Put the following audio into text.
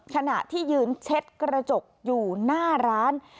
ขณะที่ยืนเช็ดกระจกอยู่หน้าร้าน